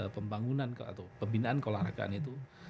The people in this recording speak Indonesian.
pembangunan ke atau pembinaan ke olahragaan itu